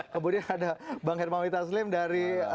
kemudian ada bang hermawit aslim dari